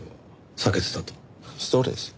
そうです。